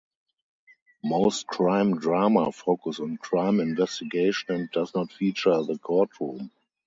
Most crime drama focus on crime investigation and does not feature the court room.